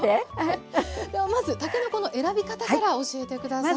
ではまずたけのこの選び方から教えて下さい。